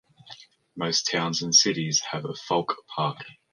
Most towns and cities have a folkpark.